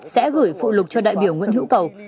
sẽ gửi phụ lục cho đại biểu nguyễn hữu cầu